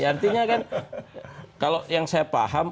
artinya kan kalau yang saya paham